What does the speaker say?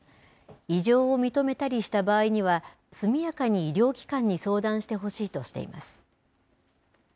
異常を認めたりした場合には、速やかに医療機関に相談してほしいとしています。